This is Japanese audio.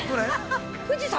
富士山？